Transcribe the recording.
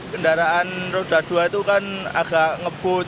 kendaraan roda dua itu kan agak ngebut